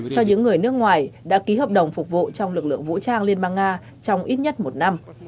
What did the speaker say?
cho những người nước ngoài đã ký hợp đồng phục vụ trong lực lượng vũ trang liên bang nga trong ít nhất một năm